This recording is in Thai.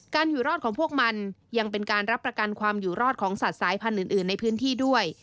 อยู่รอดของพวกมันยังเป็นการรับประกันความอยู่รอดของสัตว์สายพันธุ์อื่นในพื้นที่ด้วย